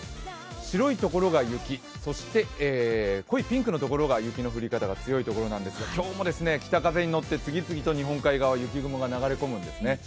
白いところが雪、そして濃いピンクの所が雪の降り方が強い所なんですけど今日も北風にのって、次々と日本海側、雪雲が流れ込みます。